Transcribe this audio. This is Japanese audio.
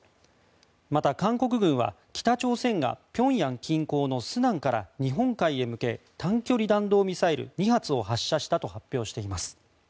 また、韓国軍は北朝鮮が平壌近郊の順安から日本海へ向け短距離弾道ミサイル２発を発射したと発表しています。